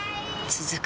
続く